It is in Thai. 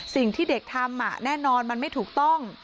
สิ่งที่เด็กทำแน่นอนมันไม่ถูกต้อง